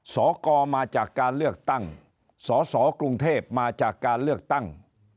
สกมาจากการเลือกตั้งสสกรุงเทพมาจากการเลือกตั้ง